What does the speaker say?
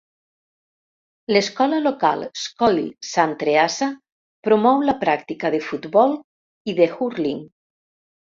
L'escola local Scoil San Treasa promou la pràctica de futbol i de 'hurling'.